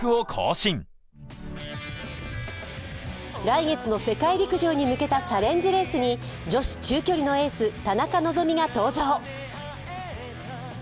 来月の世界陸上に向けたチャレンジレースに女子中距離のエース田中希実が登場。